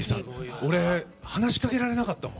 俺、話しかけられなかったもん。